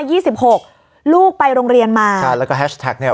สิบหกลูกไปโรงเรียนมาใช่แล้วก็แฮชแท็กเนี้ย